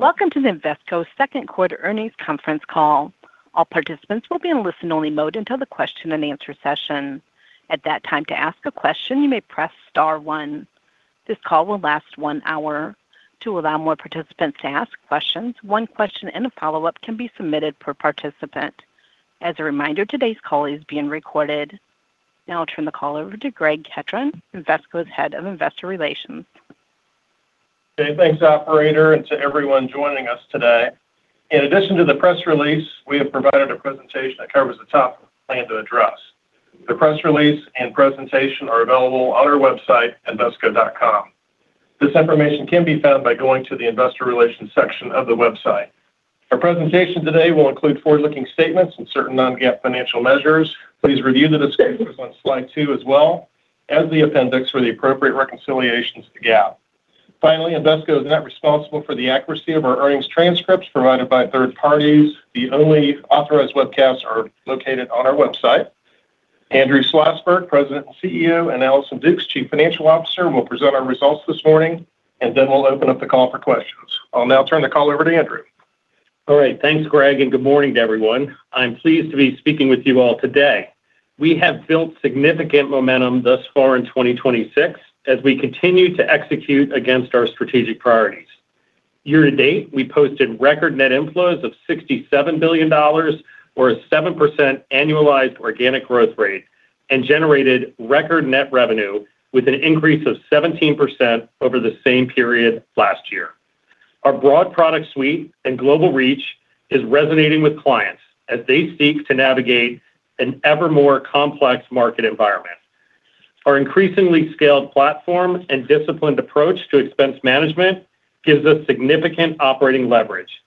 Welcome to the Invesco Second Quarter Earnings Conference Call. All participants will be in listen only mode until the question and answer session. At that time, to ask a question, you may press star one. This call will last one hour. To allow more participants to ask questions, one question and a follow-up can be submitted per participant. As a reminder, today's call is being recorded. I'll turn the call over to Greg Ketron, Invesco's Head of Investor Relations. Thanks, operator, to everyone joining us today. In addition to the press release, we have provided a presentation that covers the topics we plan to address. The press release and presentation are available on our website, invesco.com. This information can be found by going to the investor relations section of the website. Our presentation today will include forward-looking statements and certain non-GAAP financial measures. Please review the disclaimers on slide two as well as the appendix for the appropriate reconciliations to GAAP. Finally, Invesco is not responsible for the accuracy of our earnings transcripts provided by third parties. The only authorized webcasts are located on our website. Andrew Schlossberg, President and CEO, and Allison Dukes, Chief Financial Officer, will present our results this morning, then we'll open up the call for questions. I'll now turn the call over to Andrew. Alright thanks, Greg, good morning to everyone. I'm pleased to be speaking with you all today. We have built significant momentum thus far in 2026 as we continue to execute against our strategic priorities. Year to date, we posted record net inflows of $67 billion, or a 7% annualized organic growth rate, generated record net revenue with an increase of 17% over the same period last year. Our broad product suite and global reach is resonating with clients as they seek to navigate an ever more complex market environment. Our increasingly scaled platform and disciplined approach to expense management gives us significant operating leverage.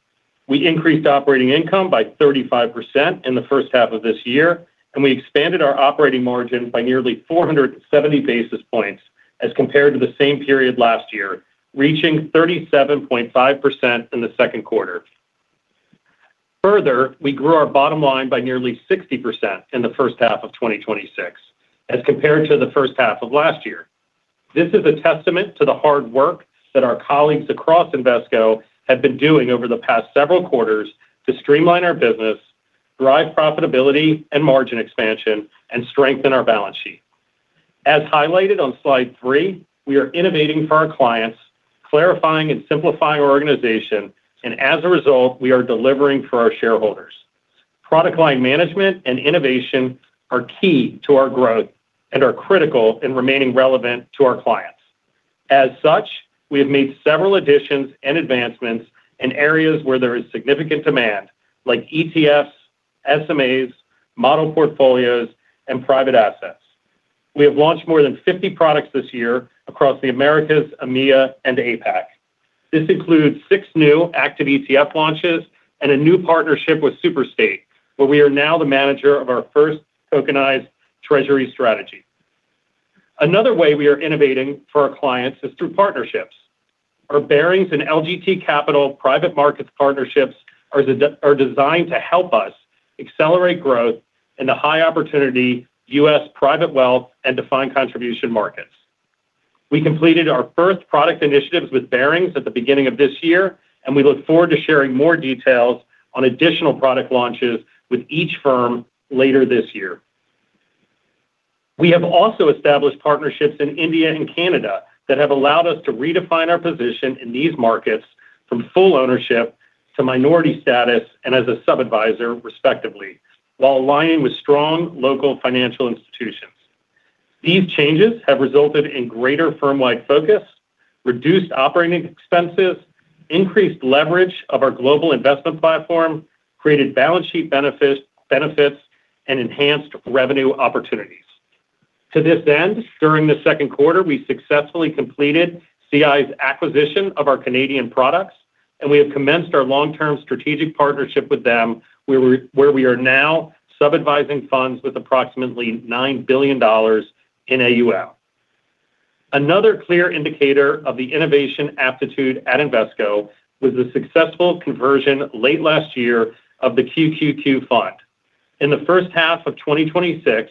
We increased operating income by 35% in the first half of this year, we expanded our operating margin by nearly 470 basis points as compared to the same period last year, reaching 37.5% in the second quarter. Further, we grew our bottom line by nearly 60% in the first half of 2026 as compared to the first half of last year. This is a testament to the hard work that our colleagues across Invesco have been doing over the past several quarters to streamline our business, drive profitability and margin expansion, and strengthen our balance sheet. As highlighted on slide three, we are innovating for our clients, clarifying and simplifying our organization, as a result, we are delivering for our shareholders. Product line management and innovation are key to our growth and are critical in remaining relevant to our clients. As such, we have made several additions and advancements in areas where there is significant demand, like ETFs, SMAs, model portfolios, and private assets. We have launched more than 50 products this year across the Americas, EMEA, and APAC. This includes six new active ETF launches and a new partnership with Superstate, where we are now the manager of our first tokenized Treasury strategy. Another way we are innovating for our clients is through partnerships. Our Barings and LGT Capital private markets partnerships are designed to help us accelerate growth in the high-opportunity U.S. private wealth and defined contribution markets. We completed our first product initiatives with Barings at the beginning of this year. We look forward to sharing more details on additional product launches with each firm later this year. We have also established partnerships in India and Canada that have allowed us to redefine our position in these markets from full ownership to minority status, and as a sub-adviser respectively, while aligning with strong local financial institutions. These changes have resulted in greater firm-wide focus, reduced operating expenses, increased leverage of our global investment platform, created balance sheet benefits, and enhanced revenue opportunities. To this end, during the second quarter, we successfully completed CI's acquisition of our Canadian products. We have commenced our long-term strategic partnership with them, where we are now sub-advising funds with approximately $9 billion in AUM. Another clear indicator of the innovation aptitude at Invesco was the successful conversion late last year of the QQQ fund. In the first half of 2026,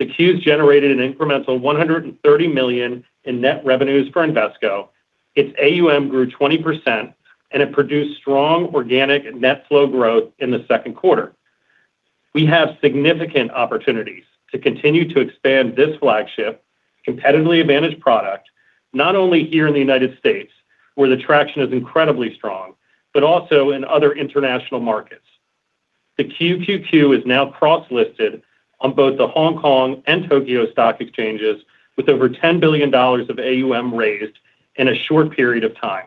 the Qs generated an incremental $130 million in net revenues for Invesco. Its AUM grew 20%. It produced strong organic net flow growth in the second quarter. We have significant opportunities to continue to expand this flagship competitively advantaged product, not only here in the U.S., where the traction is incredibly strong, but also in other international markets. The QQQ is now cross-listed on both the Hong Kong and Tokyo stock exchanges, with over $10 billion of AUM raised in a short period of time.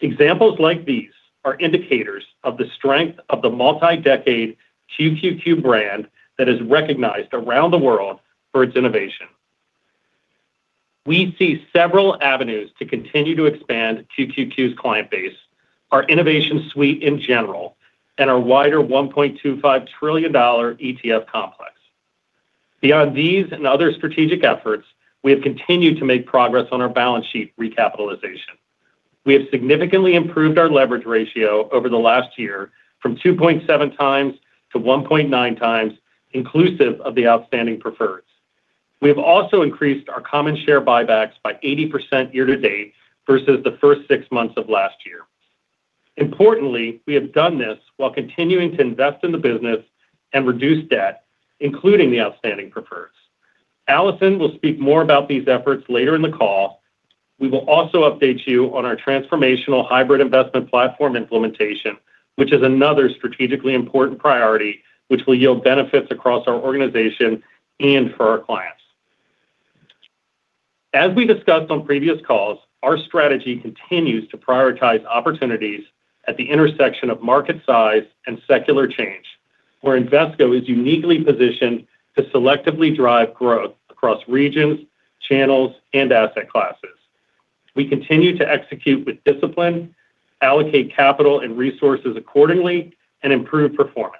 Examples like these are indicators of the strength of the multi-decade QQQ brand that is recognized around the world for its innovation. We see several avenues to continue to expand QQQ's client base, our innovation suite in general, and our wider $1.25 trillion ETF complex. Beyond these and other strategic efforts, we have continued to make progress on our balance sheet recapitalization. We have significantly improved our leverage ratio over the last year from 2.7 times to 1.9 times, inclusive of the outstanding preferred. We have also increased our common share buybacks by 80% year to date versus the first six months of last year. Importantly, we have done this while continuing to invest in the business and reduce debt, including the outstanding preferreds. Allison will speak more about these efforts later in the call. We will also update you on our transformational hybrid investment platform implementation, which is another strategically important priority which will yield benefits across our organization and for our clients. As we discussed on previous calls, our strategy continues to prioritize opportunities at the intersection of market size and secular change, where Invesco is uniquely positioned to selectively drive growth across regions, channels, and asset classes. We continue to execute with discipline, allocate capital and resources accordingly, and improve performance.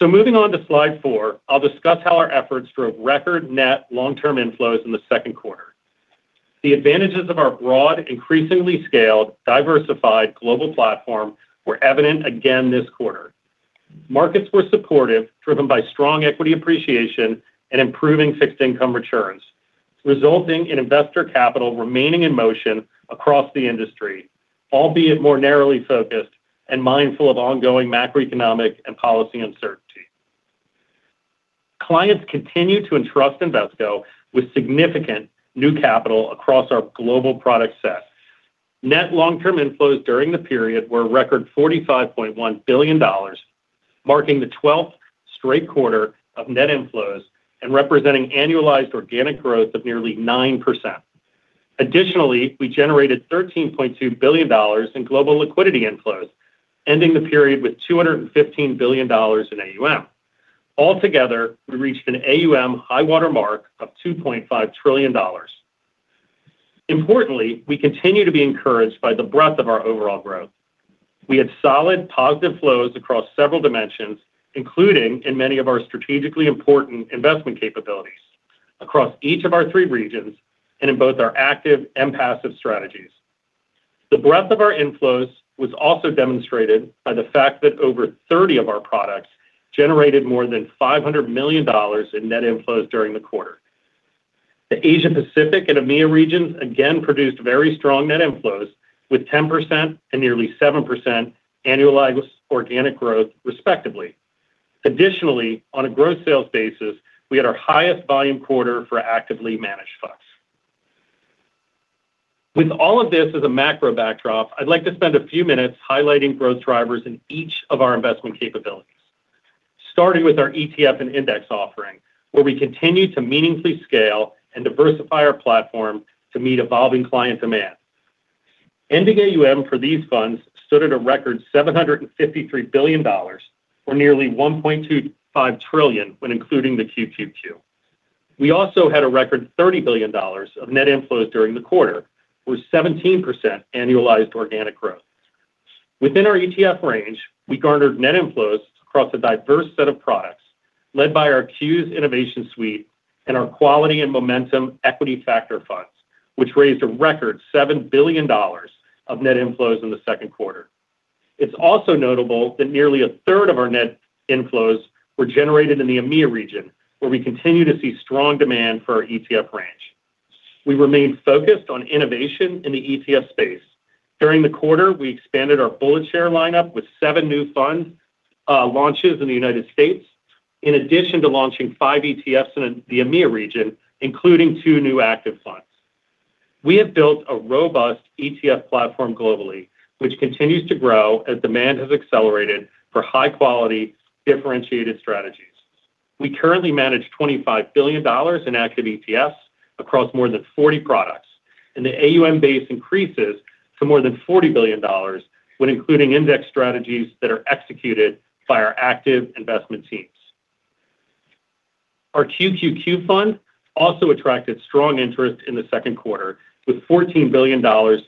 Moving on to slide four, I'll discuss how our efforts drove record net long-term inflows in the second quarter. The advantages of our broad, increasingly scaled, diversified global platform were evident again this quarter. Markets were supportive, driven by strong equity appreciation and improving fixed income returns, resulting in investor capital remaining in motion across the industry, albeit more narrowly focused and mindful of ongoing macroeconomic and policy uncertainty. Clients continue to entrust Invesco with significant new capital across our global product set. Net long-term inflows during the period were a record $45.1 billion, marking the 12th straight quarter of net inflows and representing annualized organic growth of nearly 9%. Additionally, we generated $13.2 billion in global liquidity inflows, ending the period with $215 billion in AUM. Altogether, we reached an AUM high water mark of $2.5 trillion. Importantly, we continue to be encouraged by the breadth of our overall growth. We had solid positive flows across several dimensions, including in many of our strategically important investment capabilities across each of our three regions and in both our active and passive strategies. The breadth of our inflows was also demonstrated by the fact that over 30 of our products generated more than $500 million in net inflows during the quarter. The Asia-Pacific and EMEA regions again produced very strong net inflows, with 10% and nearly 7% annualized organic growth, respectively. Additionally, on a gross sales basis, we had our highest volume quarter for actively managed funds. With all of this as a macro backdrop, I'd like to spend a few minutes highlighting growth drivers in each of our investment capabilities, starting with our ETF and index offering, where we continue to meaningfully scale and diversify our platform to meet evolving client demand. Ending AUM for these funds stood at a record $753 billion, or nearly $1.25 trillion when including the QQQ. We also had a record $30 billion of net inflows during the quarter, with 17% annualized organic growth. Within our ETF range, we garnered net inflows across a diverse set of products led by our QQQ Innovation Suite and our quality and momentum equity factor funds, which raised a record $7 billion of net inflows in the second quarter. It's also notable that nearly a third of our net inflows were generated in the EMEA region, where we continue to see strong demand for our ETF range. We remain focused on innovation in the ETF space. During the quarter, we expanded our BulletShares lineup with seven new fund launches in the United States, in addition to launching five ETFs in the EMEA region, including two new active funds. We have built a robust ETF platform globally, which continues to grow as demand has accelerated for high-quality, differentiated strategies. We currently manage $25 billion in active ETFs across more than 40 products, and the AUM base increases to more than $40 billion when including index strategies that are executed by our active investment teams. Our QQQ fund also attracted strong interest in the second quarter, with $14 billion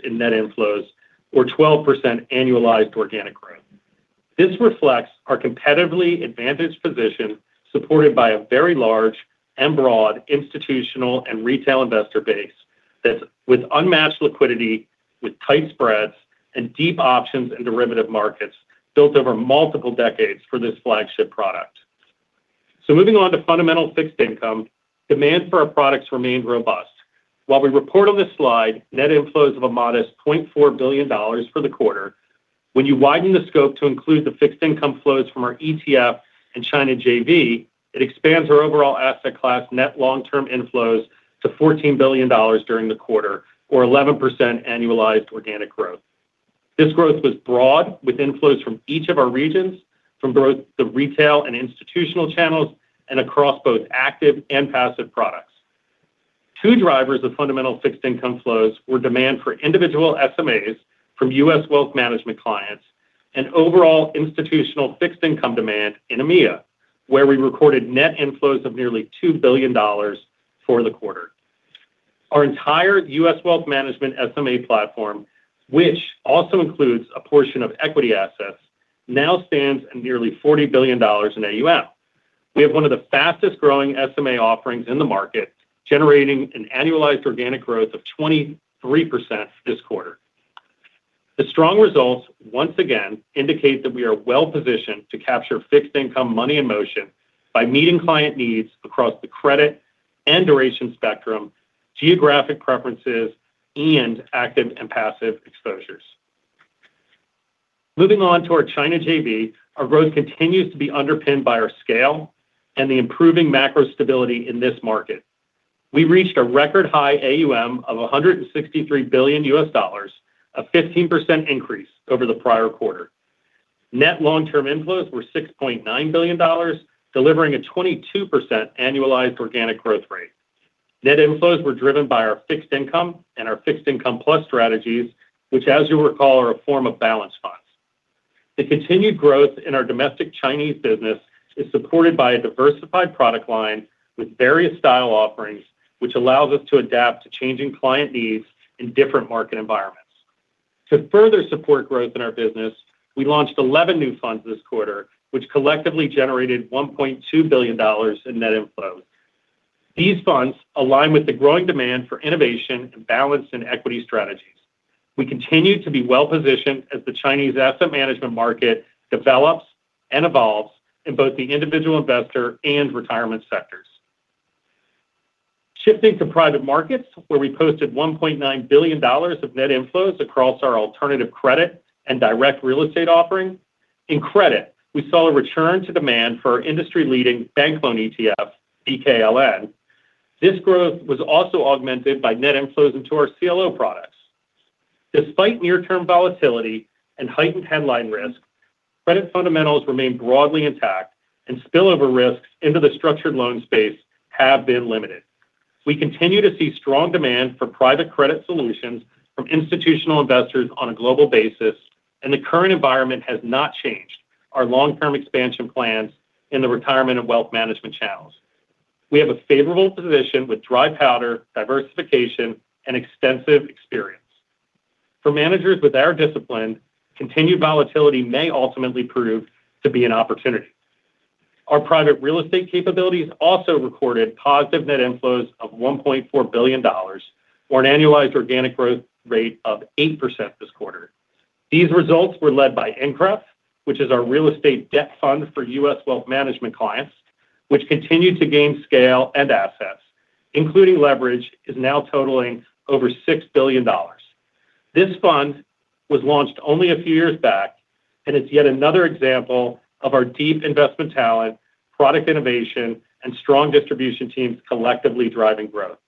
in net inflows or 12% annualized organic growth. This reflects our competitively advantaged position, supported by a very large and broad institutional and retail investor base that with unmatched liquidity with tight spreads and deep options and derivative markets built over multiple decades for this flagship product. Moving on to fundamental fixed income, demand for our products remained robust. While we report on this slide net inflows of a modest $4 billion for the quarter, when you widen the scope to include the fixed income flows from our ETF and China JV, it expands our overall asset class net long-term inflows to $14 billion during the quarter or 11% annualized organic growth. This growth was broad with inflows from each of our regions from both the retail and institutional channels and across both active and passive products. Two drivers of fundamental fixed income flows were demand for individual SMAs from U.S. Wealth Management clients and overall institutional fixed income demand in EMEA, where we recorded net inflows of nearly $2 billion for the quarter. Our entire U.S. Wealth Management SMA platform, which also includes a portion of equity assets, now stands at nearly $40 billion in AUM. We have one of the fastest-growing SMA offerings in the market, generating an annualized organic growth of 23% this quarter. The strong results once again indicate that we are well-positioned to capture fixed income money in motion by meeting client needs across the credit and duration spectrum, geographic preferences, and active and passive exposures. Moving on to our China JV. Our growth continues to be underpinned by our scale and the improving macro stability in this market. We reached a record high AUM of $163 billion, a 15% increase over the prior quarter. Net long-term inflows were $6.9 billion, delivering a 22% annualized organic growth rate. Net inflows were driven by our fixed income and our fixed income plus strategies, which, as you recall, are a form of balanced funds. The continued growth in our domestic Chinese business is supported by a diversified product line with various style offerings, which allows us to adapt to changing client needs in different market environments. To further support growth in our business, we launched 11 new funds this quarter, which collectively generated $1.2 billion in net inflows. These funds align with the growing demand for innovation and balance in equity strategies. We continue to be well-positioned as the Chinese asset management market develops and evolves in both the individual investor and retirement sectors. Shifting to private markets, where we posted $1.9 billion of net inflows across our alternative credit and direct real estate offerings. In credit, we saw a return to demand for our industry-leading bank loan ETF, BKLN. This growth was also augmented by net inflows into our CLO products. Despite near-term volatility and heightened headline risk, credit fundamentals remain broadly intact and spillover risks into the structured loan space have been limited. We continue to see strong demand for private credit solutions from institutional investors on a global basis, and the current environment has not changed our long-term expansion plans in the retirement and wealth management channels. We have a favorable position with dry powder, diversification, and extensive experience. For managers with our discipline, continued volatility may ultimately prove to be an opportunity. Our private real estate capabilities also recorded positive net inflows of $1.4 billion or an annualized organic growth rate of 8% this quarter. These results were led by INCREF, which is our real estate debt fund for U.S. wealth management clients, which continued to gain scale and assets. Including leverage is now totaling over $6 billion. This fund was launched only a few years back. It's yet another example of our deep investment talent, product innovation, and strong distribution teams collectively driving growth.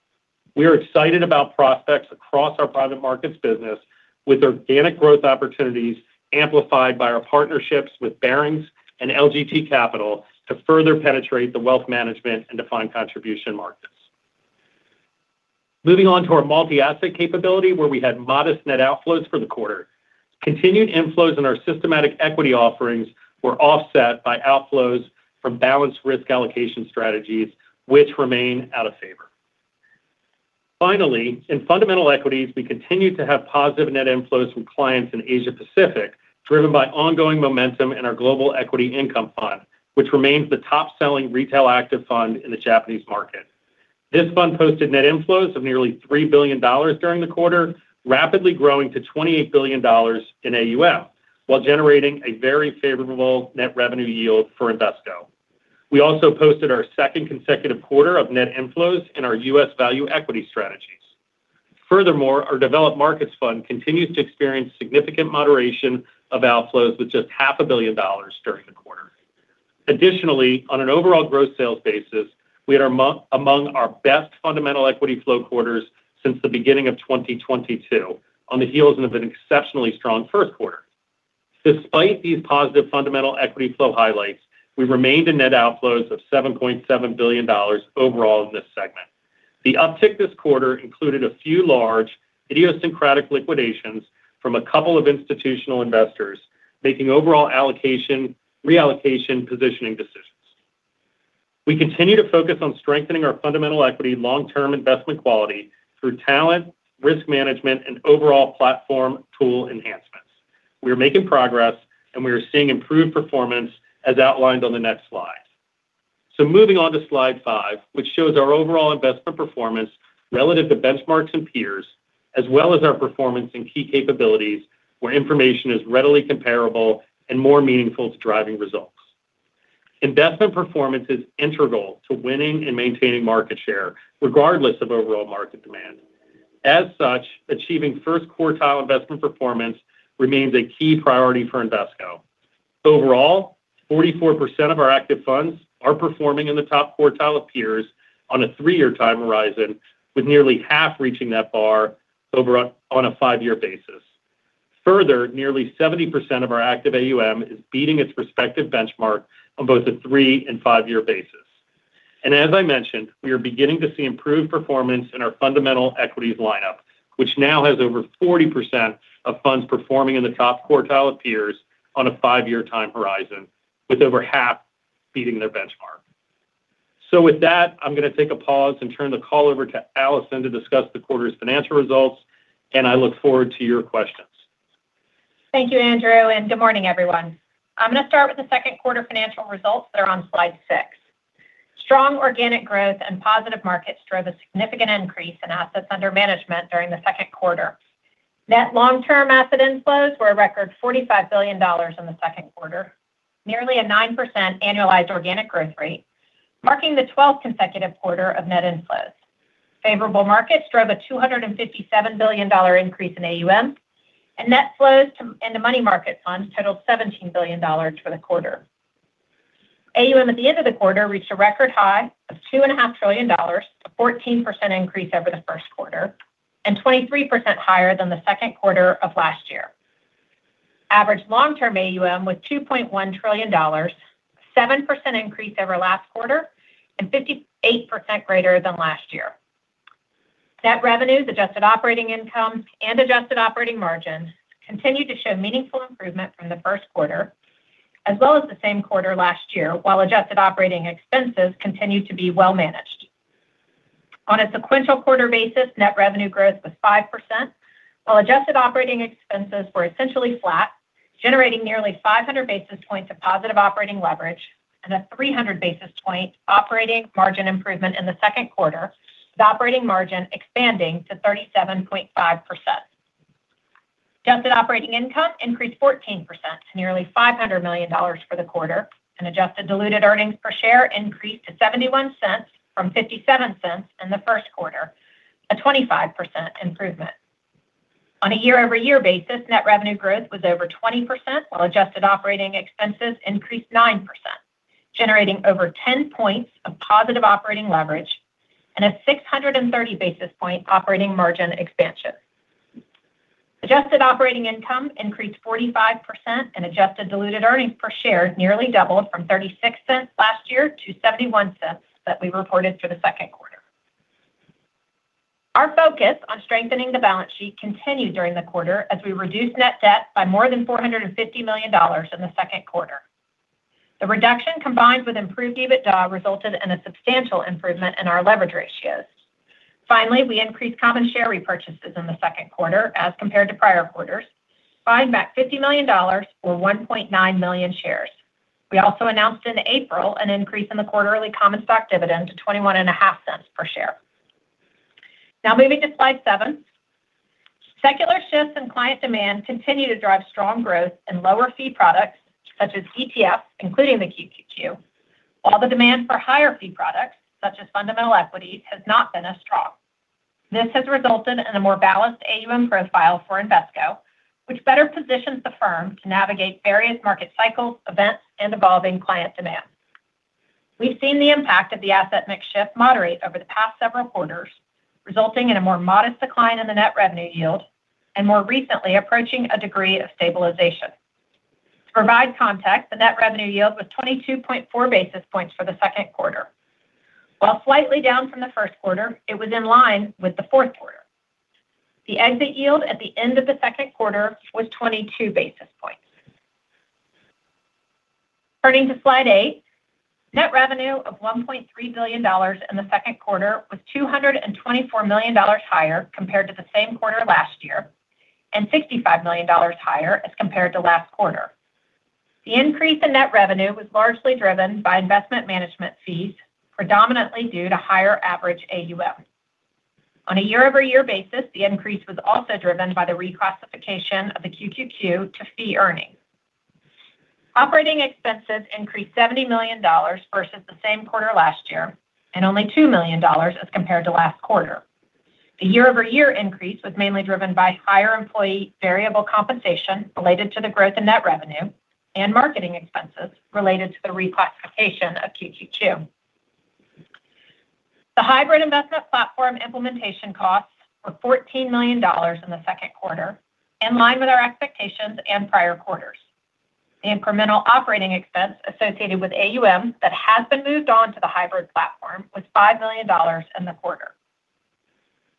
We are excited about prospects across our private markets business with organic growth opportunities amplified by our partnerships with Barings and LGT Capital to further penetrate the wealth management and defined contribution markets. Moving on to our multi-asset capability where we had modest net outflows for the quarter. Continued inflows in our systematic equity offerings were offset by outflows from Balanced Risk Allocation strategies, which remain out of favor. Finally, in fundamental equities, we continue to have positive net inflows from clients in Asia Pacific, driven by ongoing momentum in our Global Equity Income Fund, which remains the top-selling retail active fund in the Japanese market. This fund posted net inflows of nearly $3 billion during the quarter, rapidly growing to $28 billion in AUM, while generating a very favorable net revenue yield for Invesco. We also posted our second consecutive quarter of net inflows in our U.S. value equity strategies. Furthermore, our developed markets fund continues to experience significant moderation of outflows with just half a billion dollars during the quarter. Despite these positive fundamental equity flow highlights, we remained in net outflows of $7.7 billion overall in this segment. The uptick this quarter included a few large idiosyncratic liquidations from a couple of institutional investors making overall allocation, reallocation, positioning decisions. We continue to focus on strengthening our fundamental equity long-term investment quality through talent, risk management, and overall platform tool enhancements. We are making progress. We are seeing improved performance as outlined on the next slide. Moving on to slide five, which shows our overall investment performance relative to benchmarks and peers, as well as our performance in key capabilities where information is readily comparable and more meaningful to driving results. Investment performance is integral to winning and maintaining market share regardless of overall market demand. As such, achieving first quartile investment performance remains a key priority for Invesco. Overall, 44% of our active funds are performing in the top quartile of peers on a three-year time horizon, with nearly half reaching that bar on a five-year basis. Further, nearly 70% of our active AUM is beating its respective benchmark on both a three and five-year basis. As I mentioned, we are beginning to see improved performance in our fundamental equities lineup, which now has over 40% of funds performing in the top quartile of peers on a five-year time horizon, with over half beating their benchmark. With that, I'm going to take a pause and turn the call over to Allison to discuss the quarter's financial results. I look forward to your questions. Thank you, Andrew. Good morning, everyone. I'm going to start with the second quarter financial results that are on slide six. Strong organic growth and positive markets drove a significant increase in assets under management during the second quarter. Net long-term asset inflows were a record $45 billion in the second quarter. Nearly a 9% annualized organic growth rate, marking the 12th consecutive quarter of net inflows. Favorable markets drove a $257 billion increase in AUM, and net flows to end the money market funds totaled $17 billion for the quarter. AUM at the end of the quarter reached a record high of $2.5 trillion, a 14% increase over the first quarter, and 23% higher than the second quarter of last year. Average long-term AUM was $2.1 trillion, a 7% increase over last quarter and 58% greater than last year. Net revenues, adjusted operating income, and adjusted operating margins continued to show meaningful improvement from the first quarter, as well as the same quarter last year, while adjusted operating expenses continued to be well managed. On a sequential quarter basis, net revenue growth was 5%, while adjusted operating expenses were essentially flat, generating nearly 500 basis points of positive operating leverage and a 300 basis point operating margin improvement in the second quarter, with operating margin expanding to 37.5%. Adjusted operating income increased 14% to nearly $500 million for the quarter, and adjusted diluted earnings per share increased to $0.71 from $0.57 in the first quarter, a 25% improvement. On a year-over-year basis, net revenue growth was over 20%, while adjusted operating expenses increased 9%, generating over 10 points of positive operating leverage and a 630 basis point operating margin expansion. Adjusted operating income increased 45%, and adjusted diluted earnings per share nearly doubled from $0.36 last year to $0.71 that we reported for the second quarter. Our focus on strengthening the balance sheet continued during the quarter as we reduced net debt by more than $450 million in the second quarter. The reduction, combined with improved EBITDA, resulted in a substantial improvement in our leverage ratios. Finally, we increased common share repurchases in the second quarter as compared to prior quarters, buying back $50 million or 1.9 million shares. We also announced in April an increase in the quarterly common stock dividend to $0.215 per share. Now, moving to slide seven. Secular shifts in client demand continue to drive strong growth in lower-fee products such as ETFs, including the QQQ, while the demand for higher-fee products, such as fundamental equities, has not been as strong. This has resulted in a more balanced AUM profile for Invesco, which better positions the firm to navigate various market cycles, events, and evolving client demand. We've seen the impact of the asset mix shift moderate over the past several quarters, resulting in a more modest decline in the net revenue yield and, more recently, approaching a degree of stabilization. To provide context, the net revenue yield was 22.4 basis points for the second quarter. While slightly down from the first quarter, it was in line with the fourth quarter. The exit yield at the end of the second quarter was 22 basis points. Turning to slide eight. Net revenue of $1.3 billion in the second quarter was $224 million higher compared to the same quarter last year and $65 million higher as compared to last quarter. The increase in net revenue was largely driven by investment management fees, predominantly due to higher average AUM. On a year-over-year basis, the increase was also driven by the reclassification of the QQQ to fee earnings. Operating expenses increased $70 million versus the same quarter last year and only $2 million as compared to last quarter. The year-over-year increase was mainly driven by higher employee variable compensation related to the growth in net revenue and marketing expenses related to the reclassification of QQQ. The hybrid investment platform implementation costs were $14 million in the second quarter, in line with our expectations and prior quarters. The incremental operating expense associated with AUM that has been moved on to the hybrid platform was $5 million in the quarter.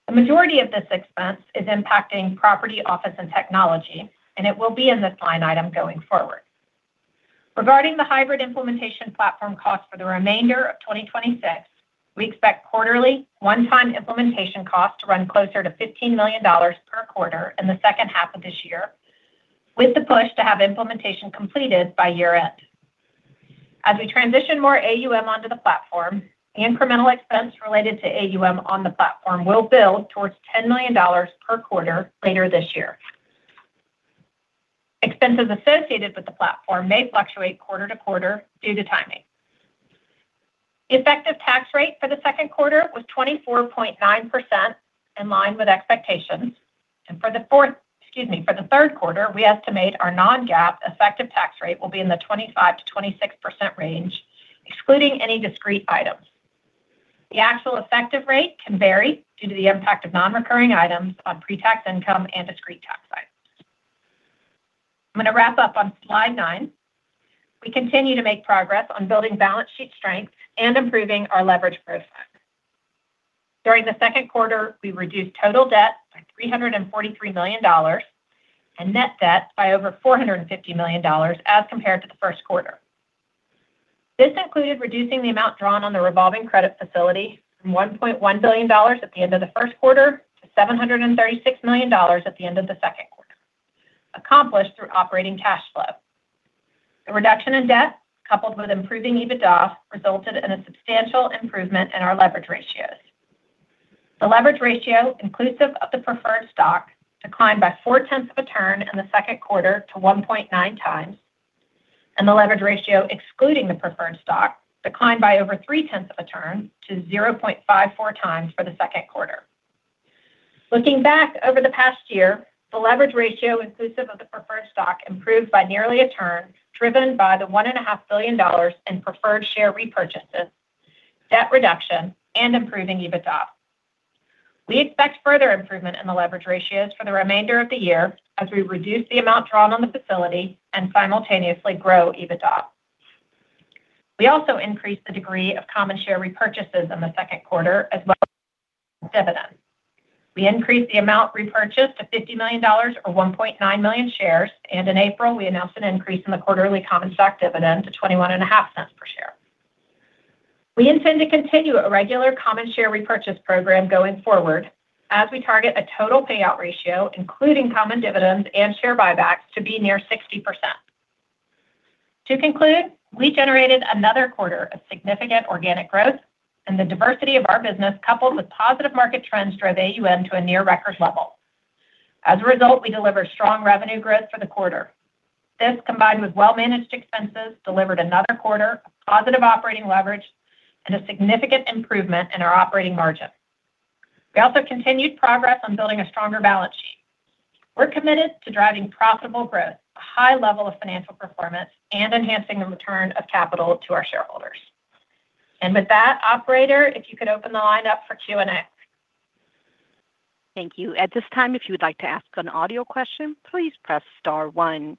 The majority of this expense is impacting property, office, and technology, and it will be in this line item going forward. Regarding the hybrid implementation platform cost for the remainder of 2026, we expect quarterly one-time implementation costs to run closer to $15 million per quarter in the second half of this year, with the push to have implementation completed by year-end. As we transition more AUM onto the platform, the incremental expense related to AUM on the platform will build towards $10 million per quarter later this year. Expenses associated with the platform may fluctuate quarter-to-quarter due to timing. The effective tax rate for the second quarter was 24.9%, in line with expectations. For the fourth, excuse me, for the third quarter, we estimate our non-GAAP effective tax rate will be in the 25%-26% range, excluding any discrete items. The actual effective rate can vary due to the impact of non-recurring items on pre-tax income and discrete tax items. I'm going to wrap up on slide nine. We continue to make progress on building balance sheet strength and improving our leverage profile. During the second quarter, we reduced total debt by $343 million and net debt by over $450 million as compared to the first quarter. This included reducing the amount drawn on the revolving credit facility from $1.1 billion at the end of the first quarter to $736 million at the end of the second. Accomplished through operating cash flow. The reduction in debt, coupled with improving EBITDA, resulted in a substantial improvement in our leverage ratios. The leverage ratio, inclusive of the preferred stock, declined by four tenths of a turn in the second quarter to 1.9 times, and the leverage ratio excluding the preferred stock declined by over three tenths of a turn to 0.54 times for the second quarter. Looking back over the past year, the leverage ratio inclusive of the preferred stock improved by nearly a turn, driven by the $1.5 billion in preferred share repurchases, debt reduction, and improving EBITDA. We expect further improvement in the leverage ratios for the remainder of the year as we reduce the amount drawn on the facility and simultaneously grow EBITDA. We also increased the degree of common share repurchases in the second quarter as well as dividends. We increased the amount repurchased to $50 million, or 1.9 million shares, and in April, we announced an increase in the quarterly common stock dividend to $0.215 per share. We intend to continue a regular common share repurchase program going forward as we target a total payout ratio, including common dividends and share buybacks, to be near 60%. To conclude, we generated another quarter of significant organic growth and the diversity of our business, coupled with positive market trends, drove AUM to a near-record level. As a result, we delivered strong revenue growth for the quarter. This, combined with well-managed expenses, delivered another quarter of positive operating leverage and a significant improvement in our operating margin. We're committed to driving profitable growth, a high level of financial performance, and enhancing the return of capital to our shareholders. With that, operator, if you could open the line up for Q&A. Thank you. At this time, if you would like to ask an audio question, please press star one.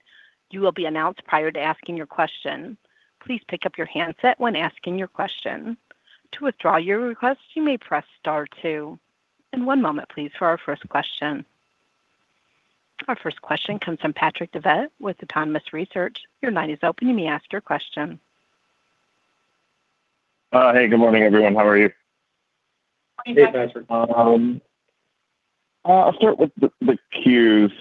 You will be announced prior to asking your question. Please pick up your handset when asking your question. To withdraw your request, you may press star two. One moment, please, for our first question. Our first question comes from Patrick Davitt with Autonomous Research. Your line is open. You may ask your question. Hey, good morning, everyone. How are you? Morning, Patrick. Good morning Patrick. I'll start with the Qs.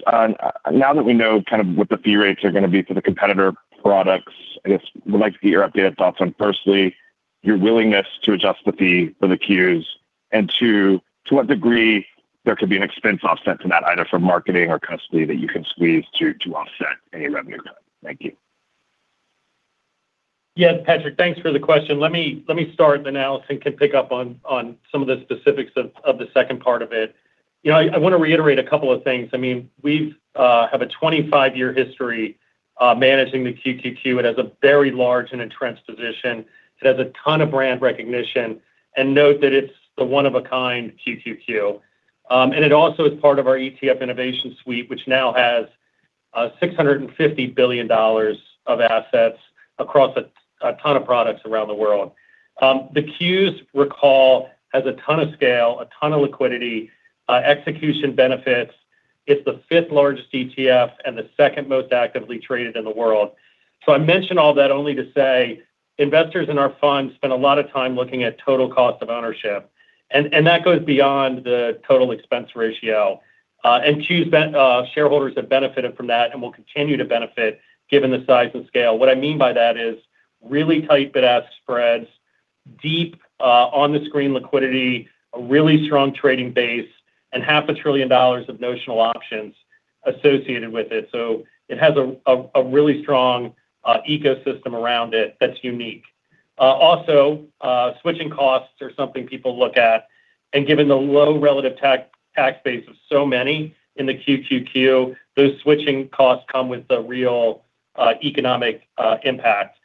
Now that we know kind of what the fee rates are going to be for the competitor products, I guess we'd like to get your updated thoughts on, firstly, your willingness to adjust the fee for the Qs. Two, to what degree there could be an expense offset to that, either from marketing or custody that you can squeeze to offset any revenue guide. Thank you. Yes Patrick thanks for the question. Let me start, Allison can pick up on some of the specifics of the second part of it. I want to reiterate a couple of things. We have a 25-year history managing the QQQ. It has a very large and entrenched position. It has a ton of brand recognition. Note that it's the one-of-a-kind QQQ. It also is part of our Invesco QQQ Innovation Suite, which now has $650 billion of assets across a ton of products around the world. The Qs, recall, has a ton of scale, a ton of liquidity, execution benefits. It's the fifth-largest ETF and the second most actively traded in the world. I mention all that only to say investors in our fund spend a lot of time looking at total cost of ownership, and that goes beyond the total expense ratio. Q's shareholders have benefited from that and will continue to benefit given the size and scale. What I mean by that is really tight bid-ask spreads, deep on-the-screen liquidity, a really strong trading base, and half a trillion dollars of notional options associated with it. It has a really strong ecosystem around it that's unique. Also, switching costs are something people look at, and given the low relative tax base of so many in the QQQ, those switching costs come with a real economic impact.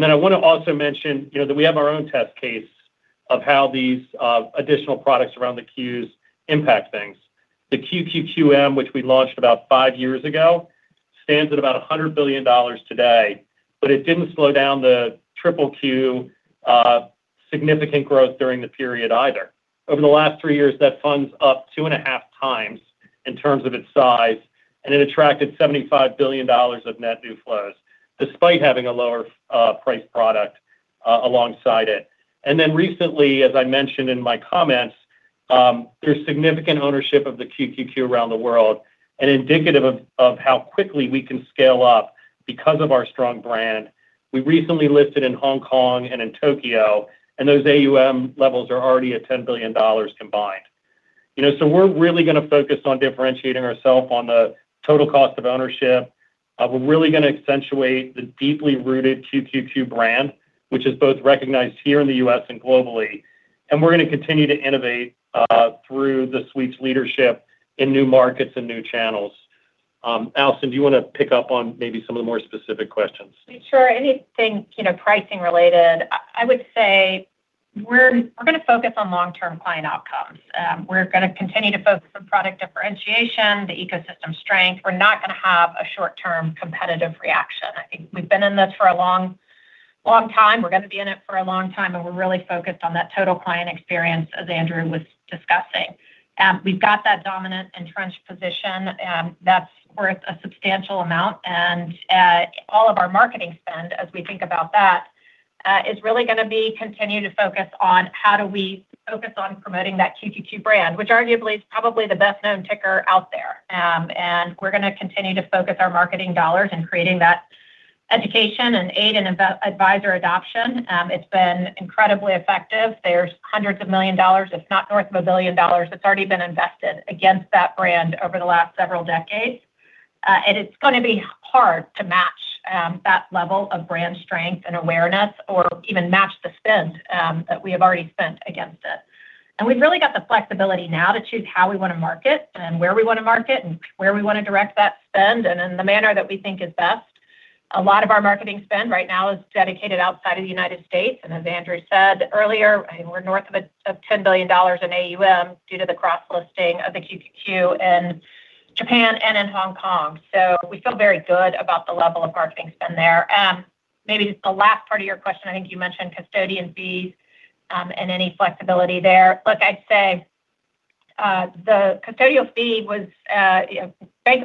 I want to also mention that we have our own test case of how these additional products around the Qs impact things. The QQQM, which we launched about five years ago, stands at about $100 billion today, it didn't slow down the QQQ significant growth during the period either. Over the last three years, that fund's up two and a half times in terms of its size. It attracted $75 billion of net new flows, despite having a lower-priced product alongside it. Indicative of how quickly we can scale up because of our strong brand, we recently listed in Hong Kong and in Tokyo, and those AUM levels are already at $10 billion combined. We're really going to focus on differentiating ourself on the total cost of ownership. We're really going to accentuate the deeply rooted QQQ brand, which is both recognized here in the U.S. and globally. We're going to continue to innovate through the suite's leadership in new markets and new channels. Allison, do you want to pick up on maybe some of the more specific questions? Sure. Anything pricing related, I would say we're going to focus on long-term client outcomes. We're going to continue to focus on product differentiation, the ecosystem strength. We're not going to have a short-term competitive reaction. I think we've been in this for a long time. We're going to be in it for a long time, and we're really focused on that total client experience, as Andrew was discussing. We've got that dominant entrenched position. That's worth a substantial amount. All of our marketing spend, as we think about that Is really going to be continue to focus on how do we focus on promoting that QQQ brand, which arguably is probably the best-known ticker out there. We're going to continue to focus our marketing dollars in creating that education and aid in advisor adoption. It's been incredibly effective. There's hundreds of million dollars, if not north of $1 billion, that's already been invested against that brand over the last several decades. It's going to be hard to match that level of brand strength and awareness or even match the spend that we have already spent against it. We've really got the flexibility now to choose how we want to market and where we want to market and where we want to direct that spend and in the manner that we think is best. A lot of our marketing spend right now is dedicated outside of the United States, and as Andrew said earlier, we're north of $10 billion in AUM due to the cross-listing of the QQQ in Japan and in Hong Kong. We feel very good about the level of marketing spend there. Maybe just the last part of your question, I think you mentioned custodian fees and any flexibility there. Look, I'd say Bank of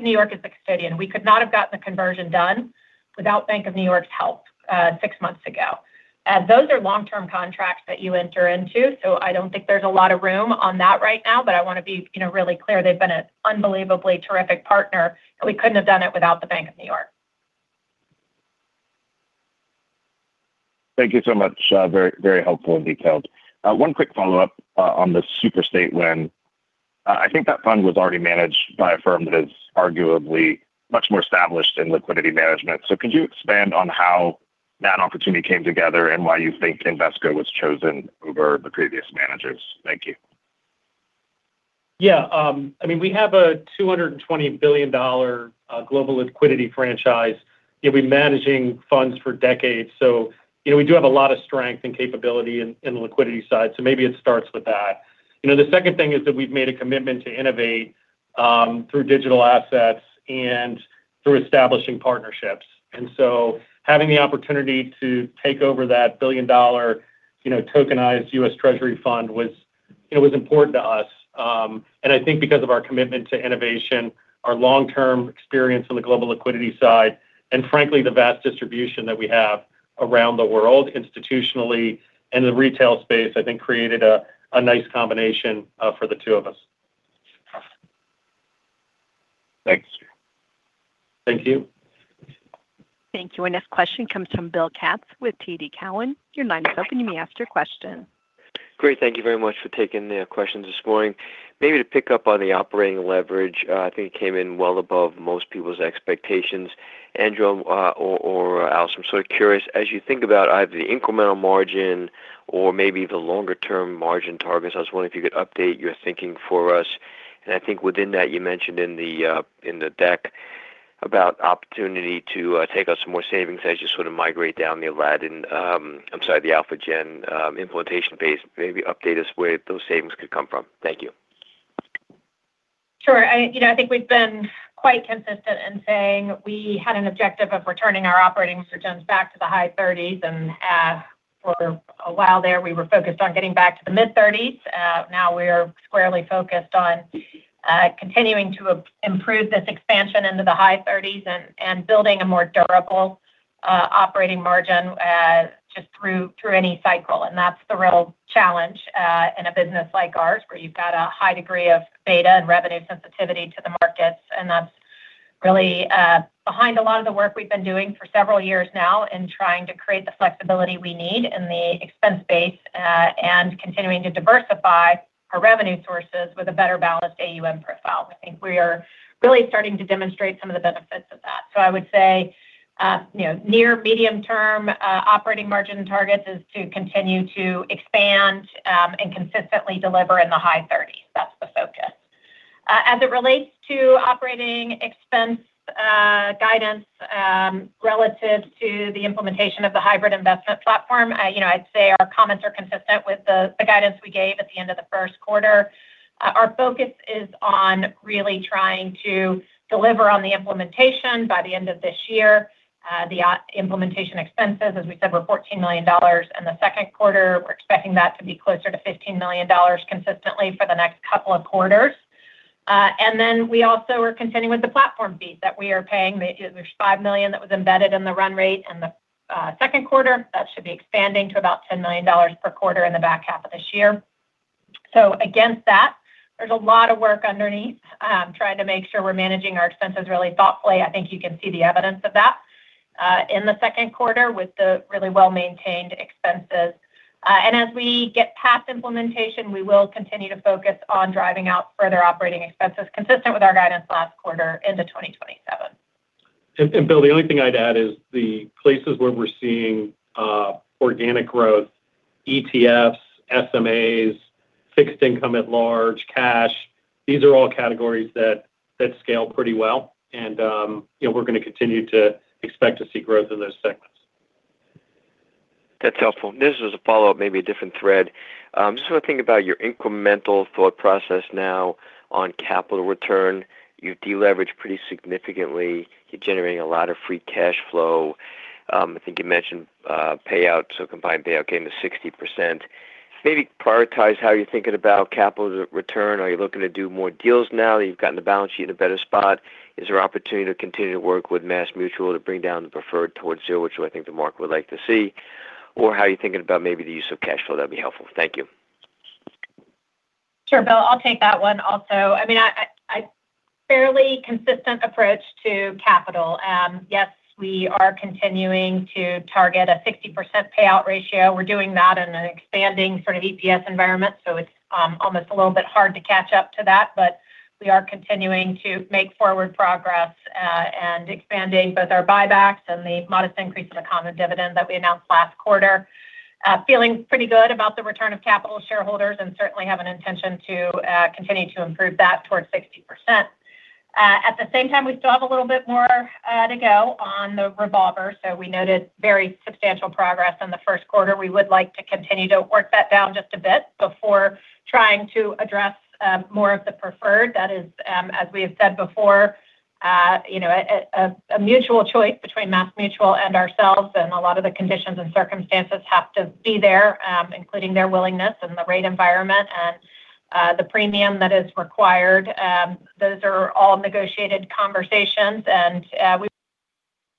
New York is the custodian. We could not have gotten the conversion done without Bank of New York's help six months ago. Those are long-term contracts that you enter into, so I don't think there's a lot of room on that right now. I want to be really clear, they've been an unbelievably terrific partner, and we couldn't have done it without the Bank of New York. Thank you so much. Very helpful and detailed. One quick follow-up on the Superstate win. I think that fund was already managed by a firm that is arguably much more established in liquidity management. Could you expand on how that opportunity came together and why you think Invesco was chosen over the previous managers? Thank you. Yeah. We have a $220 billion global liquidity franchise. We're managing funds for decades, we do have a lot of strength and capability in the liquidity side, maybe it starts with that. The second thing is that we've made a commitment to innovate through digital assets and through establishing partnerships. Having the opportunity to take over that billion-dollar tokenized U.S. Treasury fund was important to us. I think because of our commitment to innovation, our long-term experience on the global liquidity side, and frankly, the vast distribution that we have around the world institutionally and the retail space, I think, created a nice combination for the two of us. Thanks. Thank you. Thank you. Our next question comes from Bill Katz with TD Cowen. Your line is open. You may ask your question. Thank you very much for taking the questions this morning. To pick up on the operating leverage, I think it came in well above most people's expectations. Andrew or Allison, I'm sort of curious, as you think about either the incremental margin or maybe the longer-term margin targets, I was wondering if you could update your thinking for us. I think within that, you mentioned in the deck about opportunity to take out some more savings as you sort of migrate down the AlphaGen implementation base. Maybe update us where those savings could come from? Thank you. Sure. I think we've been quite consistent in saying we had an objective of returning our operating margins back to the high 30s. For a while there, we were focused on getting back to the mid-30s. Now we are squarely focused on continuing to improve this expansion into the high 30s and building a more durable operating margin just through any cycle. That's the real challenge in a business like ours, where you've got a high degree of beta and revenue sensitivity to the markets. That's really behind a lot of the work we've been doing for several years now in trying to create the flexibility we need in the expense base and continuing to diversify our revenue sources with a better balanced AUM profile. I think we are really starting to demonstrate some of the benefits of that. I would say near medium-term operating margin targets is to continue to expand and consistently deliver in the high 30s. That's the focus. As it relates to operating expense guidance relative to the implementation of the hybrid investment platform, I'd say our comments are consistent with the guidance we gave at the end of the first quarter. Our focus is on really trying to deliver on the implementation by the end of this year. The implementation expenses, as we said, were $14 million in the second quarter. We're expecting that to be closer to $15 million consistently for the next couple of quarters. We also are continuing with the platform fees that we are paying. There's $5 million that was embedded in the run rate in the second quarter. That should be expanding to about $10 million per quarter in the back half of this year. Against that, there's a lot of work underneath trying to make sure we're managing our expenses really thoughtfully. I think you can see the evidence of that in the second quarter with the really well-maintained expenses. As we get past implementation, we will continue to focus on driving out further operating expenses consistent with our guidance last quarter into 2027. Bill, the only thing I'd add is the places where we're seeing organic growth, ETFs, SMAs, fixed income at large, cash. These are all categories that scale pretty well. We're going to continue to expect to see growth in those segments. That's helpful. This was a follow-up, maybe a different thread. Just want to think about your incremental thought process now on capital return. You've de-leveraged pretty significantly. You're generating a lot of free cash flow. I think you mentioned payout, so combined payout came to 60%. Maybe prioritize how you're thinking about capital return. Are you looking to do more deals now that you've gotten the balance sheet in a better spot? Is there opportunity to continue to work with MassMutual to bring down the preferred towards zero, which I think the market would like to see? How are you thinking about maybe the use of cash flow? That'd be helpful. Thank you. Sure, Bill, I'll take that one also. I mean, fairly consistent approach to capital. Yes, we are continuing to target a 60% payout ratio. We're doing that in an expanding sort of EPS environment, so it's almost a little bit hard to catch up to that. We are continuing to make forward progress, and expanding both our buybacks and the modest increase in the common dividend that we announced last quarter. Feeling pretty good about the return of capital to shareholders, and certainly have an intention to continue to improve that towards 60%. At the same time, we still have a little bit more to go on the revolver. We noted very substantial progress in the first quarter. We would like to continue to work that down just a bit before trying to address more of the preferred. That is, as we have said before, a mutual choice between MassMutual and ourselves, and a lot of the conditions and circumstances have to be there, including their willingness and the rate environment and the premium that is required. Those are all negotiated conversations, and we're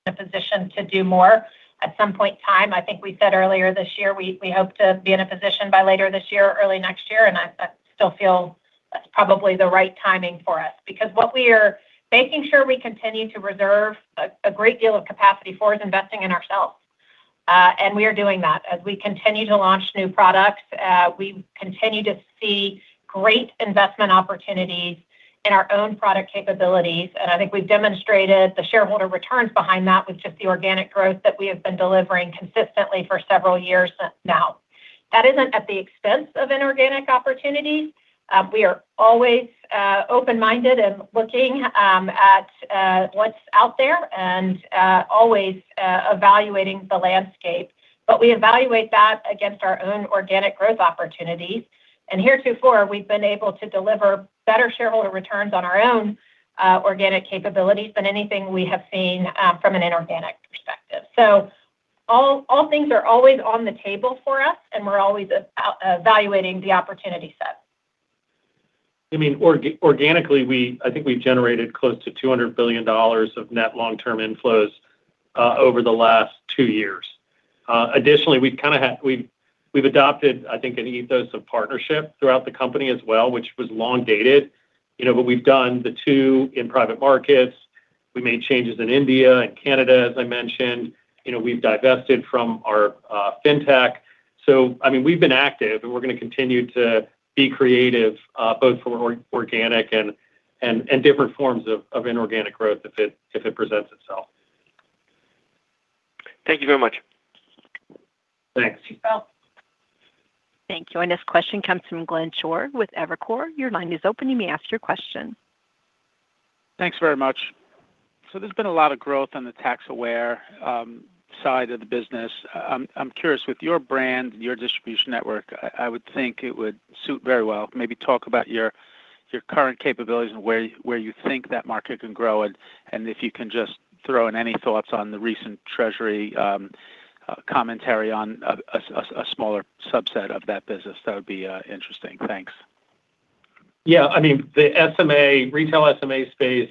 in a position to do more at some point in time. I think we said earlier this year, we hope to be in a position by later this year or early next year. I still feel that's probably the right timing for us because what we are making sure we continue to reserve a great deal of capacity for is investing in ourselves. We are doing that. As we continue to launch new products, we continue to see great investment opportunities in our own product capabilities. I think we've demonstrated the shareholder returns behind that with just the organic growth that we have been delivering consistently for several years now. That isn't at the expense of inorganic opportunities. We are always open-minded and looking at what's out there and always evaluating the landscape. We evaluate that against our own organic growth opportunities. Heretofore, we've been able to deliver better shareholder returns on our own organic capabilities than anything we have seen from an inorganic perspective. All things are always on the table for us, and we're always evaluating the opportunity set. I mean, organically, I think we've generated close to $200 billion of net long-term inflows over the last two years. Additionally, we've adopted, I think, an ethos of partnership throughout the company as well, which was long dated. We've done the two in private markets. We made changes in India and Canada, as I mentioned. We've divested from our fintech. We've been active, and we're going to continue to be creative both for organic and different forms of inorganic growth if it presents itself. Thank you very much. Thanks. Thanks, Bill. Thank you. This question comes from Glenn Schorr with Evercore. Your line is open. You may ask your question. Thanks very much. There's been a lot of growth on the tax-aware side of the business. I'm curious with your brand and your distribution network, I would think it would suit very well. Maybe talk about your current capabilities and where you think that market can grow and if you can just throw in any thoughts on the recent Treasury commentary on a smaller subset of that business, that would be interesting. Thanks. Yeah, the retail SMA space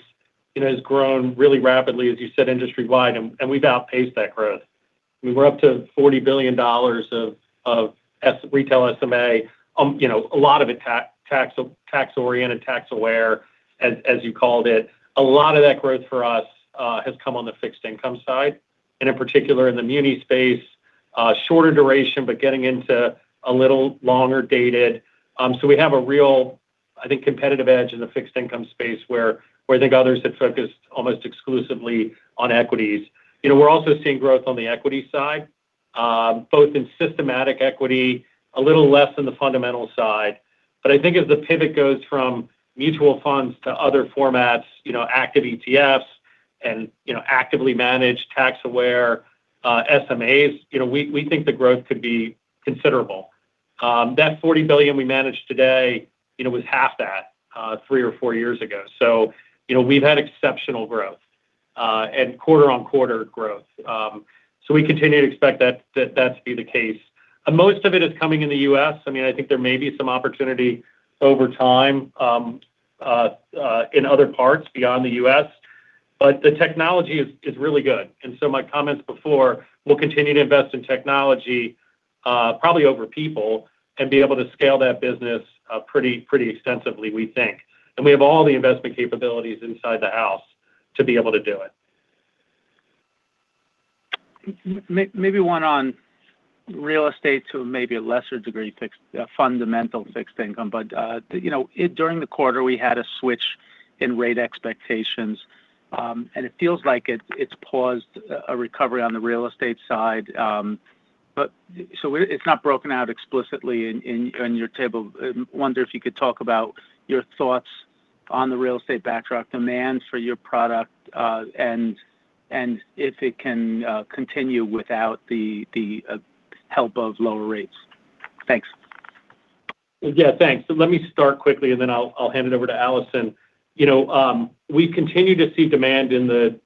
has grown really rapidly as you said, industry wide, and we've outpaced that growth. We're up to $40 billion of retail SMA. A lot of it tax-oriented, tax-aware, as you called it. A lot of that growth for us has come on the fixed income side and in particular in the muni space, shorter duration, but getting into a little longer dated. We have a real, I think, competitive edge in the fixed income space where I think others had focused almost exclusively on equities. We're also seeing growth on the equity side, both in systematic equity, a little less on the fundamental side. I think as the pivot goes from mutual funds to other formats, active ETFs and actively managed tax-aware SMAs, we think the growth could be considerable. That $40 billion we manage today was half that three or four years ago. We've had exceptional growth, and quarter-on-quarter growth. We continue to expect that to be the case. Most of it is coming in the U.S. I think there may be some opportunity over time in other parts beyond the U.S. The technology is really good. My comments before, we'll continue to invest in technology probably over people and be able to scale that business pretty extensively, we think. We have all the investment capabilities inside the house to be able to do it. Maybe one on real estate, to maybe a lesser degree, fundamental fixed income. During the quarter, we had a switch in rate expectations. It feels like it's paused a recovery on the real estate side. It's not broken out explicitly in your table. I wonder if you could talk about your thoughts on the real estate backdrop demand for your product. If it can continue without the help of lower rates. Thanks. Yeah, thanks. Let me start quickly, then I'll hand it over to Allison. We continue to see demand in the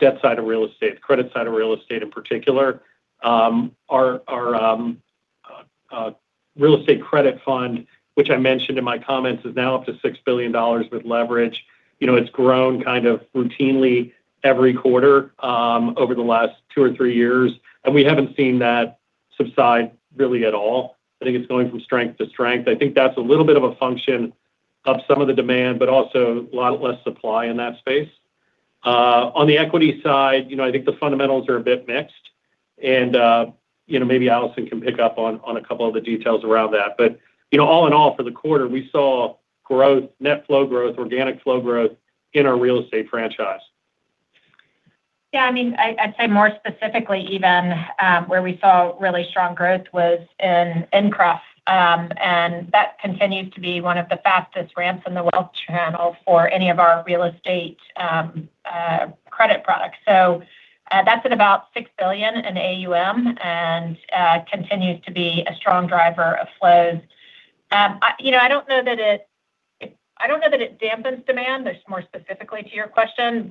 debt side of real estate, credit side of real estate in particular. Our real estate credit fund, which I mentioned in my comments, is now up to $6 billion with leverage. It's grown kind of routinely every quarter over the last two or three years, we haven't seen that subside really at all. I think it's going from strength to strength. I think that's a little bit of a function of some of the demand, also a lot less supply in that space. On the equity side, I think the fundamentals are a bit mixed. Maybe Allison can pick up on a couple of the details around that. All in all, for the quarter, we saw growth, net flow growth, organic flow growth in our real estate franchise. Yeah, I'd say more specifically even, where we saw really strong growth was in INCREF. That continues to be one of the fastest ramps in the wealth channel for any of our real estate credit products. That's at about $6 billion in AUM and continues to be a strong driver of flows. I don't know that it dampens demand, that's more specifically to your question,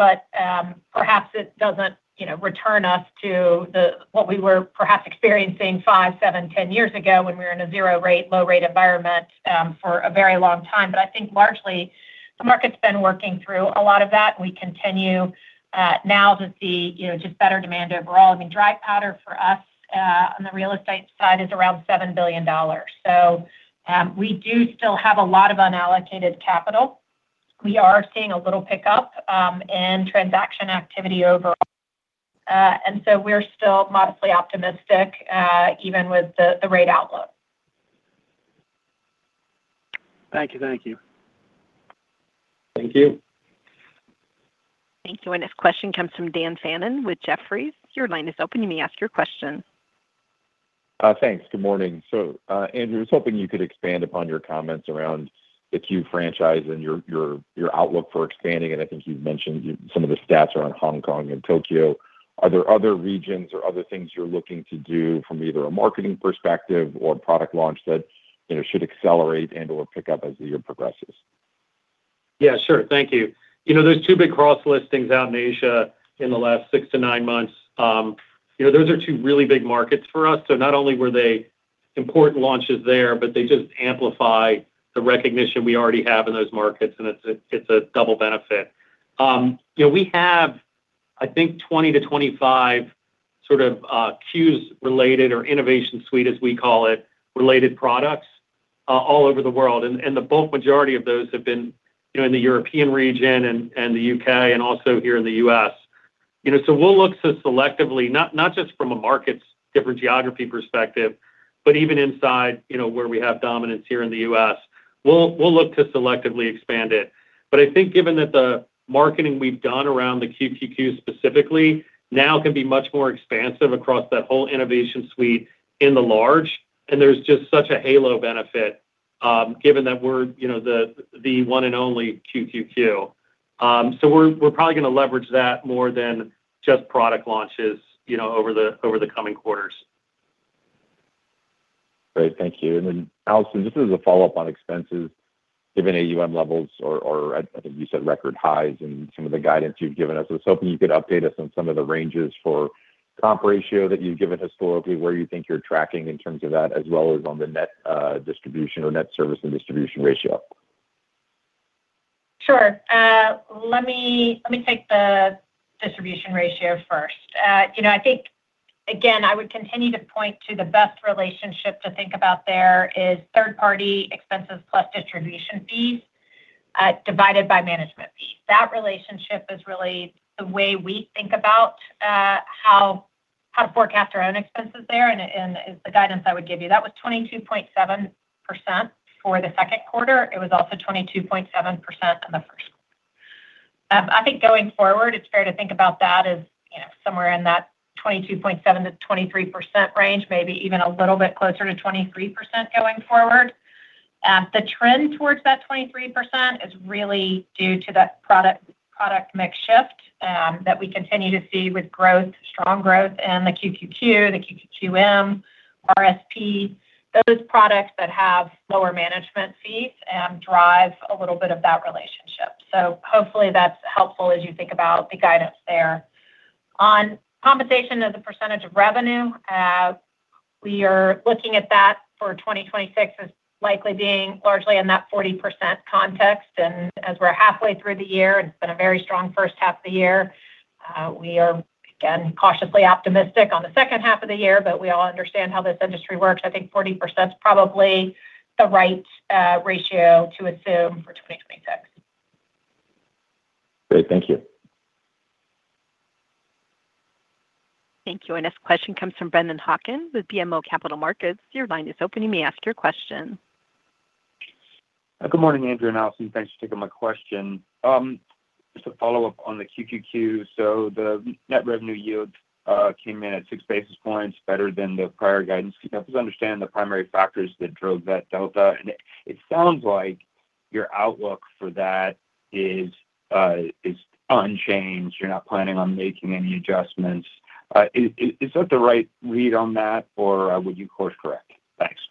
perhaps it doesn't return us to what we were perhaps experiencing five, seven, ten years ago, when we were in a zero rate, low rate environment for a very long time. I think largely the market's been working through a lot of that. We continue now to see just better demand overall. Dry powder for us on the real estate side is around $7 billion. We do still have a lot of unallocated capital. We are seeing a little pickup in transaction activity overall. We're still modestly optimistic even with the rate outlook. Thank you. Thank you. Thank you. Our next question comes from Dan Fannon with Jefferies. Your line is open. You may ask your question. Thanks. Good morning. Andrew, I was hoping you could expand upon your comments around the Q franchise and your outlook for expanding, and I think you've mentioned some of the stats around Hong Kong and Tokyo. Are there other regions or other things you're looking to do from either a marketing perspective or product launch that should accelerate and/or pick up as the year progresses? Yeah, sure. Thank you. There's two big cross listings out in Asia in the last six-nine months. Those are two really big markets for us. Not only were they important launches there, but they just amplify the recognition we already have in those markets, and it's a double benefit. We have, I think, 20-25 sort of Qs related, or Innovation Suite as we call it, related products all over the world. The bulk majority of those have been in the European region and the U.K. and also here in the U.S. We'll look to selectively, not just from a markets different geography perspective, but even inside where we have dominance here in the U.S. We'll look to selectively expand it. I think given that the marketing we've done around the QQQ specifically now can be much more expansive across that whole Innovation Suite in the large, and there's just such a halo benefit given that we're the one and only QQQ. We're probably going to leverage that more than just product launches over the coming quarters. Great. Thank you. Allison, just as a follow-up on expenses, given AUM levels or I think you said record highs and some of the guidance you've given us, I was hoping you could update us on some of the ranges for comp ratio that you've given historically, where you think you're tracking in terms of that as well as on the net distribution or net service and distribution ratio. Sure. Let me take the distribution ratio first. I think, again, I would continue to point to the best relationship to think about there is third party expenses plus distribution fees, divided by management fees. That relationship is really the way we think about how to forecast our own expenses there, and is the guidance I would give you. That was 22.7% for the second quarter. It was also 22.7% in the first. I think going forward, it's fair to think about that as somewhere in that 22.7%-23% range, maybe even a little bit closer to 23% going forward. The trend towards that 23% is really due to that product mix shift that we continue to see with growth, strong growth in the QQQ, the QQQM, RSP. Those products that have lower management fees drive a little bit of that relationship. Hopefully that's helpful as you think about the guidance there. On compensation as a percentage of revenue, we are looking at that for 2026 as likely being largely in that 40% context. As we're halfway through the year, and it's been a very strong first half of the year, we are, again, cautiously optimistic on the second half of the year, but we all understand how this industry works. I think 40% is probably the right ratio to assume for 2026. Good. Thank you. Thank you. Our next question comes from Brennan Hawken with BMO Capital Markets. Your line is open. You may ask your question. Good morning, Andrew and Allison. Thanks for taking my question. Just a follow-up on the QQQ. The net revenue yield came in at 6 basis points better than the prior guidance. Can you help us understand the primary factors that drove that delta? It sounds like your outlook for that is unchanged. You're not planning on making any adjustments. Is that the right read on that, or would you course correct? Thanks.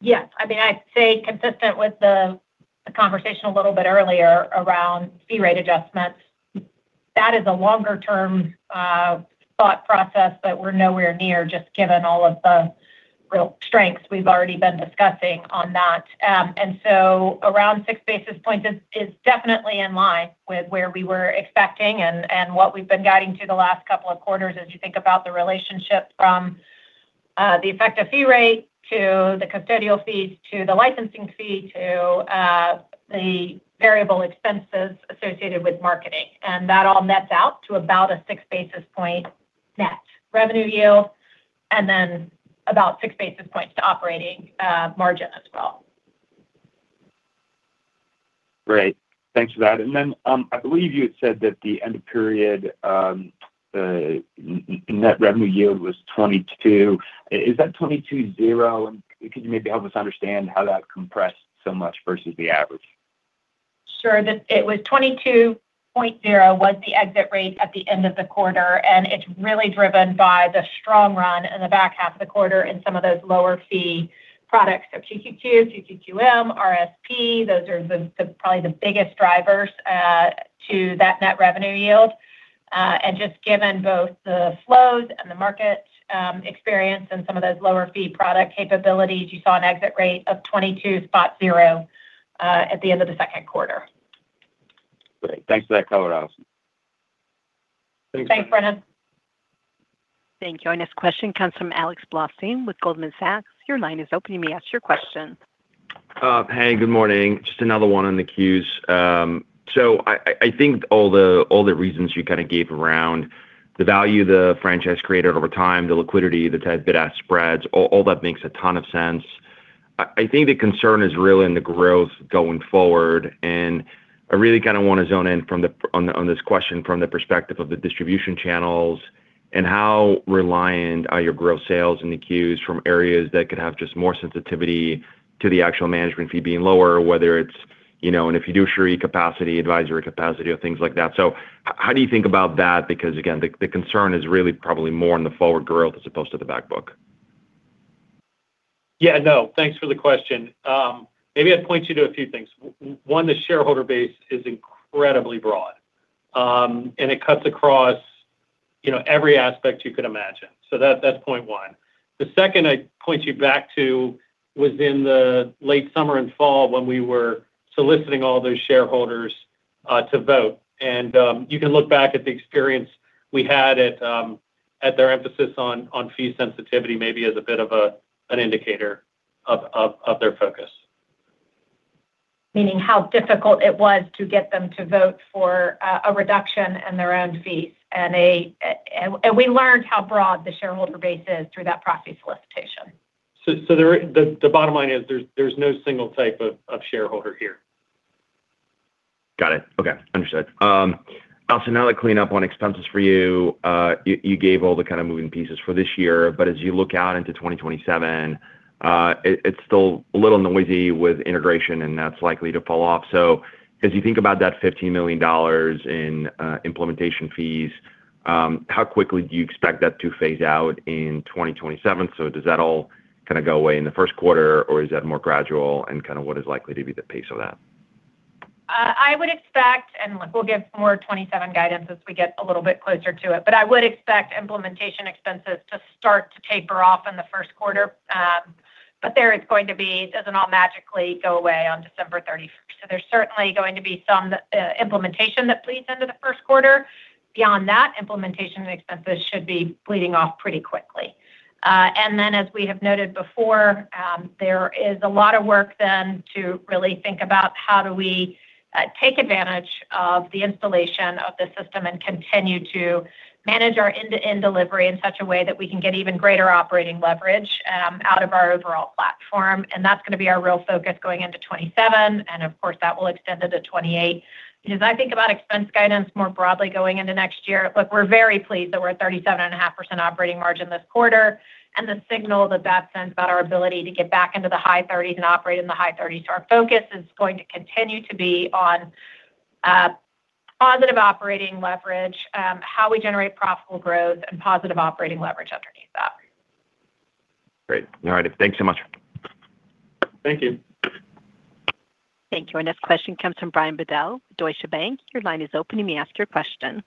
Yes. I'd say consistent with the conversation a little bit earlier around fee rate adjustments, that is a longer-term thought process that we're nowhere near, just given all of the real strengths we've already been discussing on that. Around 6 basis points is definitely in line with where we were expecting and what we've been guiding to the last couple of quarters, as you think about the relationship from the effective fee rate to the custodial fees, to the licensing fee, to the variable expenses associated with marketing. That all nets out to about a 6 basis point net revenue yield, and then about 6 basis points to operating margin as well. Great. Thanks for that. I believe you had said that the end of period net revenue yield was 22. Is that 22.0? Could you maybe help us understand how that compressed so much versus the average? Sure. It was 22.0 was the exit rate at the end of the quarter, and it's really driven by the strong run in the back half of the quarter in some of those lower fee products. QQQ, QQQM, RSP, those are probably the biggest drivers to that net revenue yield. Just given both the flows and the market experience and some of those lower fee product capabilities, you saw an exit rate of 22.0 at the end of the second quarter. Great. Thanks for that color, Allison. Thanks, Brennan. Thank you. Our next question comes from Alex Blostein with Goldman Sachs. Your line is open. You may ask your question. Hey, good morning. I think all the reasons you gave around the value the franchise created over time, the liquidity, the tight bid-ask spreads, all that makes a ton of sense. I think the concern is really in the growth going forward. I really want to zone in on this question from the perspective of the distribution channels and how reliant are your growth sales and the Cues from areas that could have just more sensitivity to the actual management fee being lower, whether it's, an fiduciary capacity, advisory capacity, or things like that. How do you think about that? Because again, the concern is really probably more on the forward growth as opposed to the back book. Yeah. No. Thanks for the question. Maybe I'd point you to a few things. One, the shareholder base is incredibly broad, and it cuts across every aspect you could imagine. That's point one. The second I'd point you back to was in the late summer and fall when we were soliciting all those shareholders to vote. You can look back at the experience we had at their emphasis on fee sensitivity, maybe as a bit of an indicator of their focus. Meaning how difficult it was to get them to vote for a reduction in their own fees. We learned how broad the shareholder base is through that proxy solicitation. The bottom line is there's no single type of shareholder here. Got it. Okay. Understood. Allison, another cleanup on expenses for you. You gave all the kind of moving pieces for this year. As you look out into 2027, it's still a little noisy with integration, and that's likely to fall off. As you think about that $15 million in implementation fees, how quickly do you expect that to phase out in 2027? Does that all kind of go away in the first quarter, or is that more gradual, and what is likely to be the pace of that? I would expect, look, we'll give more 2027 guidance as we get a little bit closer to it. I would expect implementation expenses to start to taper off in the first quarter. There it's going to be, it doesn't all magically go away on December 31st. There's certainly going to be some implementation that bleeds into the first quarter. Beyond that, implementation expenses should be bleeding off pretty quickly. As we have noted before, there is a lot of work then to really think about how do we take advantage of the installation of the system and continue to manage our end-to-end delivery in such a way that we can get even greater operating leverage out of our overall platform. That's going to be our real focus going into 2027, and of course, that will extend into 2028. I think about expense guidance more broadly going into next year. Look, we're very pleased that we're at 37.5% operating margin this quarter, and the signal that that sends about our ability to get back into the high 30s and operate in the high 30s. Our focus is going to continue to be on positive operating leverage, how we generate profitable growth, and positive operating leverage underneath that. Great. All right. Thanks so much. Thank you. Thank you. Our next question comes from Brian Bedell, Deutsche Bank. Your line is open. You may ask your question.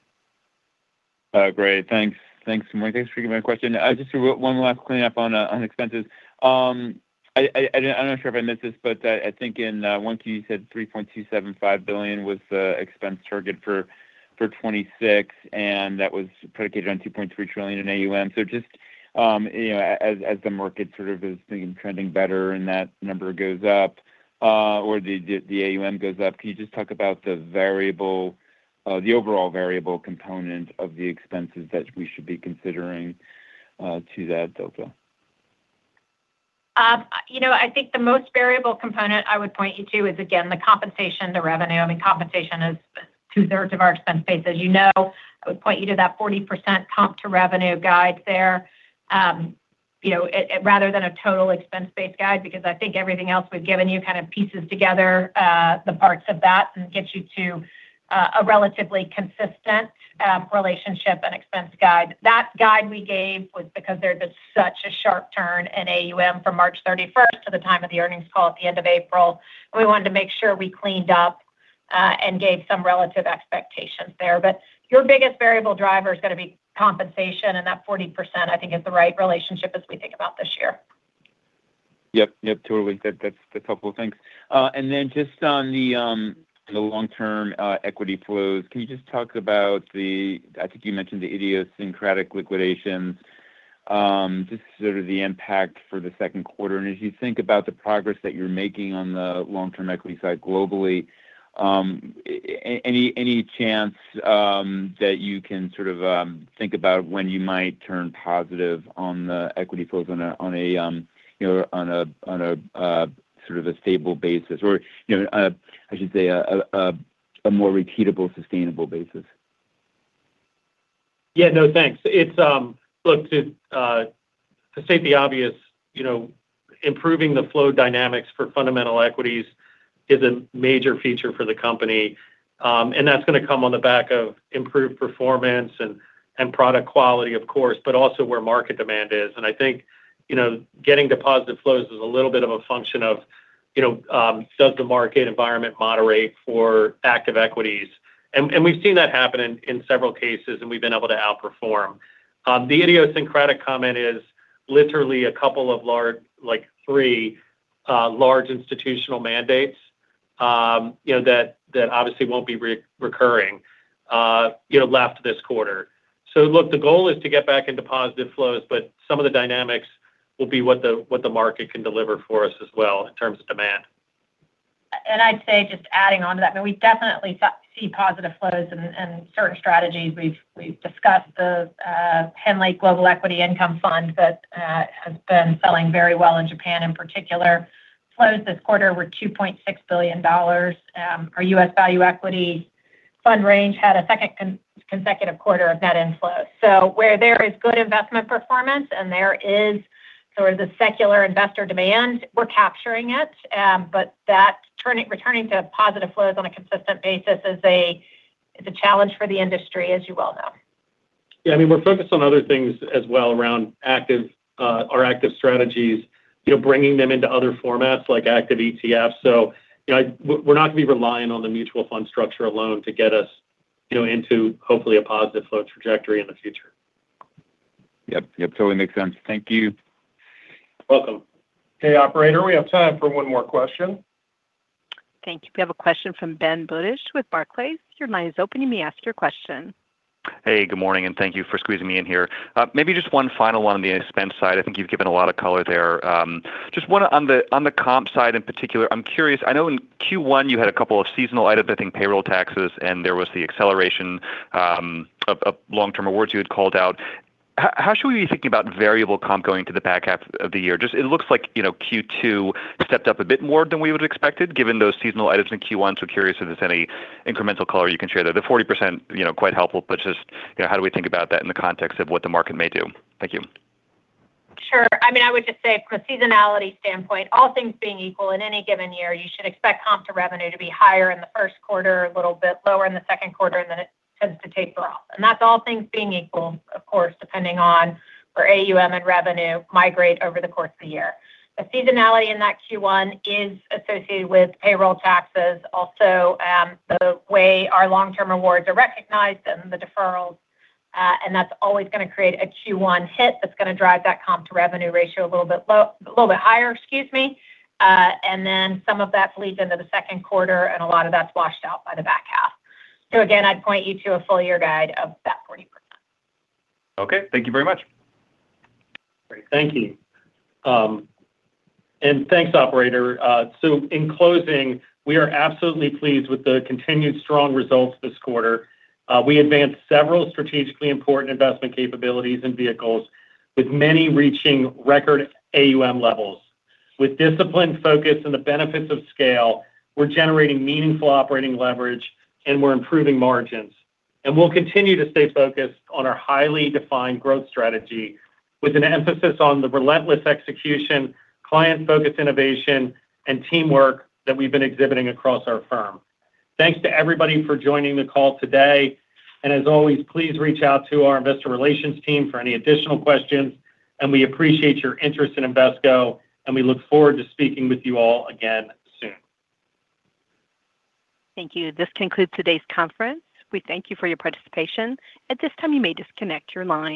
Great. Thanks for giving me my question. Just one last cleanup on expenses. I am not sure if I missed this, but I think in one case you said $3.275 billion was the expense target for 2026, and that was predicated on $2.3 trillion in AUM. Just as the market sort of is trending better and that number goes up, or the AUM goes up, can you just talk about the overall variable component of the expenses that we should be considering to that delta? I think the most variable component I would point you to is, again, the compensation, the revenue. I mean, compensation is two-thirds of our expense base. As you know, I would point you to that 40% comp to revenue guide there, rather than a total expense base guide, because I think everything else we have given you kind of pieces together, the parts of that and gets you to a relatively consistent relationship and expense guide. That guide we gave was because there had been such a sharp turn in AUM from March 31st to the time of the earnings call at the end of April, we wanted to make sure we cleaned up, and gave some relative expectations there. Your biggest variable driver is going to be compensation, and that 40%, I think, is the right relationship as we think about this year. Yep. Totally. That is a couple of things. Just on the long-term equity flows, can you just talk about the I think you mentioned the idiosyncratic liquidations, just sort of the impact for the second quarter. As you think about the progress that you are making on the long-term equity side globally, any chance that you can sort of think about when you might turn positive on the equity flows on a sort of a stable basis or, I should say a more repeatable, sustainable basis? Yeah. No, thanks. Look, to state the obvious, improving the flow dynamics for fundamental equities is a major feature for the company. That's going to come on the back of improved performance and product quality, of course, but also where market demand is. I think getting to positive flows is a little bit of a function of, does the market environment moderate for active equities? We've seen that happen in several cases, and we've been able to outperform. The idiosyncratic comment is literally a couple of large, like three large, institutional mandates that obviously won't be recurring, left this quarter. Look, the goal is to get back into positive flows, but some of the dynamics will be what the market can deliver for us as well in terms of demand. I'd say, just adding onto that, I mean, we definitely see positive flows and certain strategies. We've discussed the Invesco Global Equity Income Fund that has been selling very well in Japan, in particular. Flows this quarter were $2.6 billion. Our U.S. Value Equity fund range had a second consecutive quarter of net inflows. Where there is good investment performance and there is sort of the secular investor demand, we're capturing it. That returning to positive flows on a consistent basis is a challenge for the industry, as you well know. Yeah. I mean, we're focused on other things as well around our active strategies, bringing them into other formats like active ETFs. We're not going to be relying on the mutual fund structure alone to get us into hopefully a positive flow trajectory in the future. Yep. Totally makes sense. Thank you. Welcome. Okay, operator, we have time for one more question. Thank you. We have a question from Ben Budish with Barclays. Your line is open. You may ask your question. Hey, good morning, thank you for squeezing me in here. Maybe just one final one on the expense side. I think you've given a lot of color there. Just one on the comp side in particular. I'm curious, I know in Q1 you had a couple of seasonal items, I think payroll taxes, and there was the acceleration of long-term awards you had called out. How should we be thinking about variable comp going into the back half of the year? Just, it looks like Q2 stepped up a bit more than we would've expected, given those seasonal items in Q1. Curious if there's any incremental color you can share there. The 40%, quite helpful, just, how do we think about that in the context of what the market may do? Thank you. Sure. I mean, I would just say from a seasonality standpoint, all things being equal in any given year, you should expect comp to revenue to be higher in the first quarter, a little bit lower in the second quarter, then it tends to taper off. That's all things being equal, of course, depending on where AUM and revenue migrate over the course of the year. The seasonality in that Q1 is associated with payroll taxes, also the way our long-term awards are recognized and the deferrals, that's always going to create a Q1 hit that's going to drive that comp to revenue ratio a little bit higher. Excuse me. Then some of that bleeds into the second quarter, a lot of that's washed out by the back half. Again, I'd point you to a full year guide of that 40%. Okay. Thank you very much. Great. Thank you. And thanks, operator. In closing, we are absolutely pleased with the continued strong results this quarter. We advanced several strategically important investment capabilities and vehicles with many reaching record AUM levels. With disciplined focus and the benefits of scale, we're generating meaningful operating leverage, and we're improving margins. We'll continue to stay focused on our highly defined growth strategy with an emphasis on the relentless execution, client-focused innovation, and teamwork that we've been exhibiting across our firm. Thanks to everybody for joining the call today. As always, please reach out to our investor relations team for any additional questions. We appreciate your interest in Invesco, and we look forward to speaking with you all again soon. Thank you. This concludes today's conference. We thank you for your participation. At this time, you may disconnect your line.